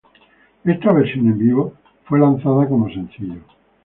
Esta versión en vivo fue lanzada como sencillo.